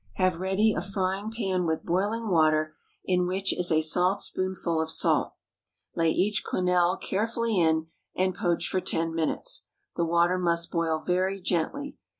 Have ready a frying pan with boiling water in which is a saltspoonful of salt, lay each quenelle carefully in, and poach for ten minutes. The water must boil very gently.